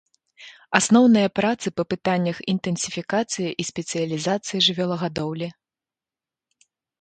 Асноўныя працы па пытаннях інтэнсіфікацыі і спецыялізацыі жывёлагадоўлі.